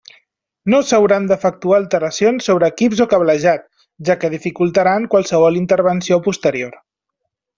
No s'hauran d'efectuar alteracions sobre equips o cablejat, ja que dificultaran qualsevol intervenció posterior.